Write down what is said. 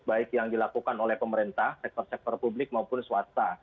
baik yang dilakukan oleh pemerintah sektor sektor publik maupun swasta